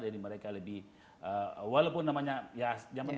jadi mereka lebih walaupun namanya ya zaman sekarang